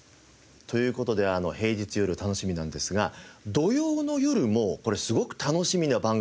という事で平日夜楽しみなんですが土曜の夜もすごく楽しみな番組が続くわけですよね？